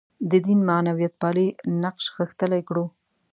د دین معنویتپالی نقش غښتلی کړو.